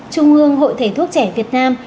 trung ương hội thể thuốc trẻ việt nam